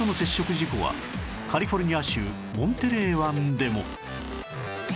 事故はカリフォルニア州モンテレー湾でも